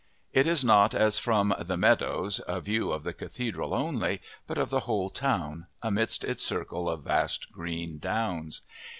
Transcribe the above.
It is not as from "the meadows" a view of the cathedral only, but of the whole town, amidst its circle of vast green downs.